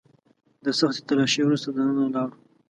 د سختې تلاشۍ وروسته دننه لاړو.